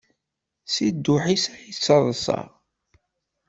Si dduḥ-is ad d-yettaḍṣa.